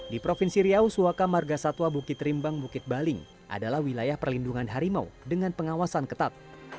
di provinsi riau suaka marga satwa bukit rimbang bukit baling adalah wilayah perlindungan harimau dengan pengawasan ketat